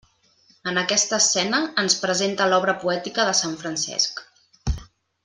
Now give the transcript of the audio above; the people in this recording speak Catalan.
En aquesta escena, ens presenta l'obra poètica de sant Francesc.